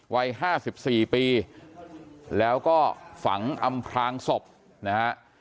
วัย๕๔ปีแล้วก็ฝังอำพลางศพนะฮะ